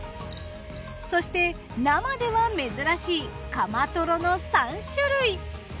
そして生では珍しいカマトロの３種類。